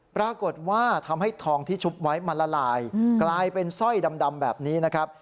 ปรากฏว่าทำให้ทองที่ชุบไว้มันละลายกลายเป็นสร้อยดำแบบนี้นะครับ